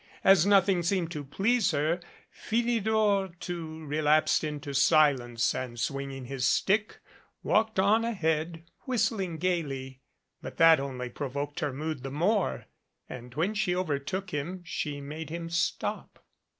As nothing seemed to please her, Philidor, too, relapsed into silence and swinging his stick, walked on ahead, whistling gaily. But that only provoked her mood the more, and when she overtook him she made him stop.